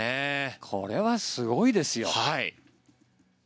これはすごいですよ。